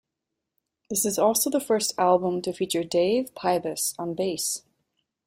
This is also the first album to feature Dave Pybus on bass.